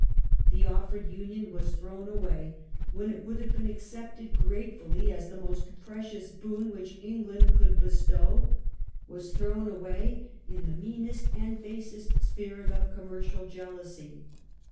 The offered union was thrown away when it would have been accepted gratefully as the most precious boon which England could bestow — was thrown away in the meanest and basest spirit of commercial jealousy.